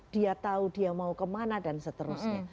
dia tahu dia mau kemana dan seterusnya